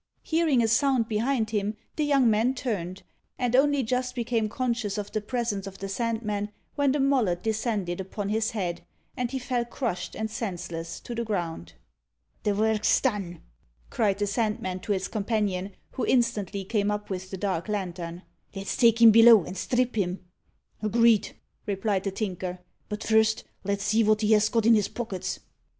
Hearing a sound behind him, the young man turned, and only just became conscious of the presence of the Sandman, when the mallet descended upon his head, and he fell crushed and senseless to the ground. [Illustration: The Ruined house in the Vauxhall Road] "The vork's done!" cried the Sandman to his companion, who instantly came up with the dark lantern; "let's take him below, and strip him." "Agreed," replied the Tinker; "but first let's see wot he has got in his pockets."